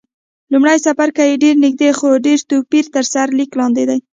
لومړی څپرکی یې ډېر نږدې، خو ډېر توپیر تر سرلیک لاندې دی.